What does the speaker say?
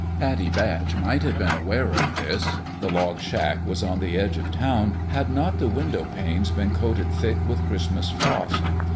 Pattie Batch might have been aware of this the log shack was on the edge of town had not the window panes been coated thick with Christ mas frost.